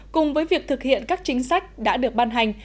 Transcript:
cùng với việc thực hiện các chính sách đã được ban hành